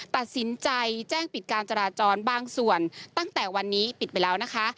ตัดสินใจแจ้งปิดการจราจรบางส่วนตั้งแต่วันนี้ปิดไปแล้วนะคะ